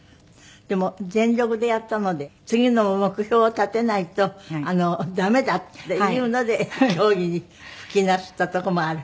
でも全力でやったので次の目標を立てないと駄目だっていうので競技に復帰なすったとこもある。